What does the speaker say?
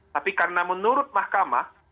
tapi karena menurut mahkamah